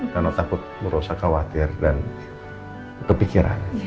karena takut bu rosa khawatir dan kepikiran